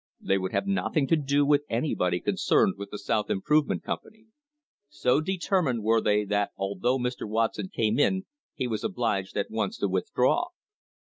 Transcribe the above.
They would have nothing to do with anybody con cerned with the South Improvement Company. So determined were they that although Mr. Watson came in he was obliged at once to withdraw.